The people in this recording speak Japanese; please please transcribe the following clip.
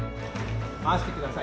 回してください。